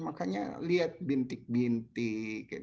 makanya lihat bintik bintik